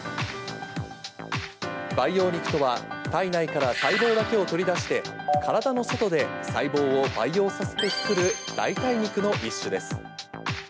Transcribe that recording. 培養肉とは、体内から細胞だけを取り出して、体の外で細胞を培養させて作る代替肉の一種です。